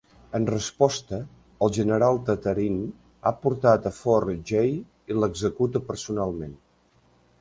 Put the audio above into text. En resposta, el general Tatarin ha portat a Fort Jay i l'executa personalment.